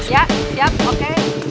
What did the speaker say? ya siap oke